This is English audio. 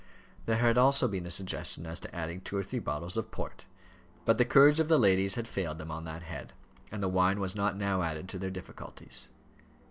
There had also been a suggestion as to adding two or three bottles of port; but the courage of the ladies had failed them on that head, and the wine was not now added to their difficulties.